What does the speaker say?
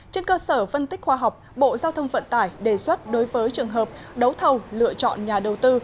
trên cơ sở phân tích khoa học bộ giao thông vận tải đề xuất đối với trường hợp đấu thầu lựa chọn nhà đầu tư